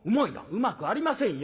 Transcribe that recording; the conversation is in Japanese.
「うまくありませんよ